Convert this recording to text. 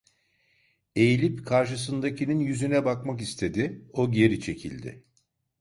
Eğilip karşısındakinin yüzüne bakmak istedi, o geri çekildi.